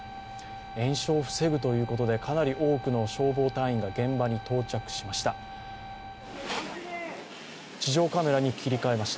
延焼を防ぐということで、かなり多くの消防隊員が現場に到着しました。